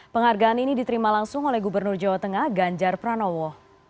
penghargaan ini diterima langsung oleh gubernur jawa tengah ganjar pranowo